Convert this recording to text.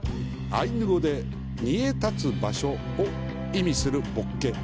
アイヌ語で「煮え立つ場所」を意味するボッケ。